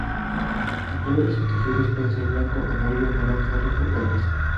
El color de sus tejidos puede ser blanco, amarillo, naranja, rojo, o rosa.